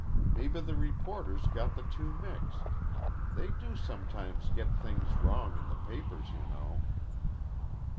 Maybe the reporters got the two mixed. They do sometimes get things wrong in the papers, you know."